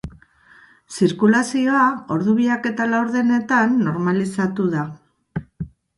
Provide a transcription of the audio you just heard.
Zirkulazioa ordu biak eta laurdenetan normalizatu da.